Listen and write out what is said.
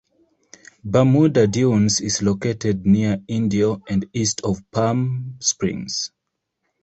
Bermuda Dunes is located near Indio and east of Palm Springs.